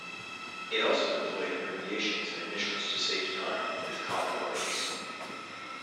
It also employed abbreviations and initials to save time with common words.